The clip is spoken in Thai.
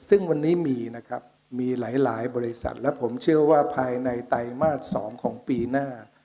ซึ่งวันนี้มีนะครับมีหลายบริษัทและผมเชื่อว่าภายในไตรมาส๒ของปีหน้า